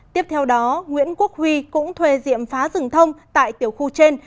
tiếp theo đó nguyễn quốc huy cũng thuê diệm phá rừng thông tại tiểu khu trên